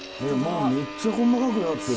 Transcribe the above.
めっちゃ細かくなってる。